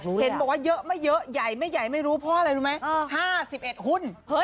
เห็นบอกว่าเยอะไม่เยอะใหญ่ไม่ใหญ่ไม่รู้เพราะอะไรรู้ไหม๕๑หุ้น